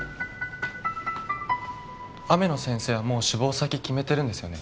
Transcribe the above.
雨野先生はもう志望先決めてるんですよね？